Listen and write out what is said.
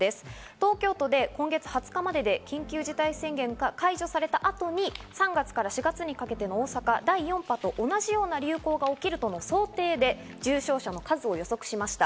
東京都で今月２０日までで緊急事態宣言が解除された後に、３月から４月にかけての大阪と同じような流行が起きるとの想定で重症者の数を予測しました。